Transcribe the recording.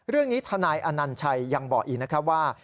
เรื่องนี้ทนายอนัญชัยยังบอกอีกว่า